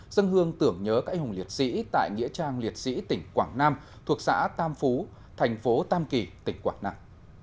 dân hương tưởng nhớ các anh hùng liệt sĩ tại nghĩa trang liệt sĩ tỉnh quảng nam thuộc xã tam phú thành phố tam kỳ tỉnh quảng nam